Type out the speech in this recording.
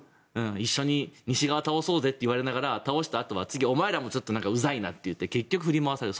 一緒に西側を倒そうぜと言われながら倒したあとは次、お前らもうざいなといって結局振り回される。